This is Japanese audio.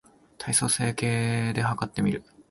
体組成計で計ってみる